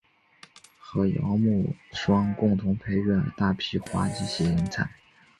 和姚慕双共同培育了大批滑稽戏人才。